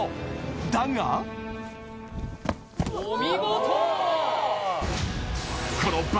だがお見事！